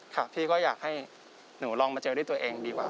พี่ก็อยากให้หนูลองมาเจอด้วยตัวเองดีกว่า